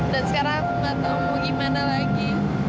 dan sekarang aku gak tau mau gimana lagi